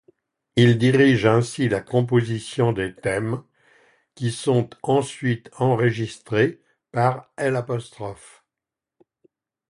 Il dirige ainsi la composition des thèmes qui sont ensuite enregistrés par l'.